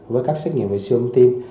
với các xét nghiệm về siêu âm tim